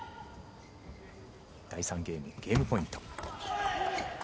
第３ゲーム、ゲームポイント。